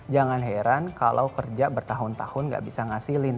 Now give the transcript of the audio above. jangan heran kalau kerja bertahun tahun gak bisa ngasilin